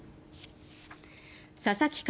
佐々木海